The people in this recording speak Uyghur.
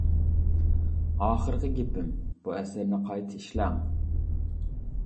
ئاخىرقى گېپىم: بۇ ئەسەرنى قايتا ئىشلەڭ!